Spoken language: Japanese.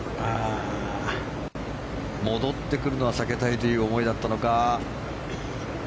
戻ってくるのは避けたいという思いだったのか。